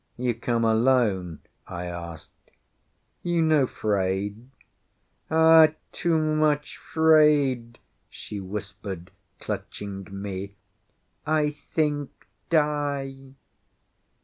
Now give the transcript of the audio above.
"You come alone?" I asked. "You no 'fraid?" "Ah, too much 'fraid!" she whispered, clutching me. "I think die."